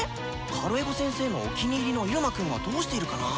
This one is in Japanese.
カルエゴ先生のお気に入りの入間くんはどうしているかな？